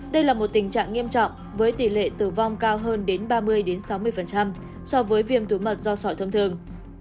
đây là một tình trạng nghiêm trọng với tỷ lệ tử vong cao hơn đến ba mươi sáu mươi so với viêm thủ mật do sỏi thông thường